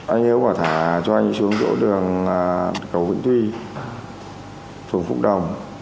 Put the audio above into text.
anh hiếu bảo thả cho anh đi xuống chỗ đường cầu vĩnh thuy phường phục đồng